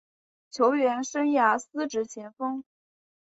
球员生涯司职前锋。